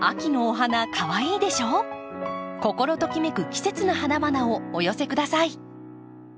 心ときめく季節の花々をお寄せください。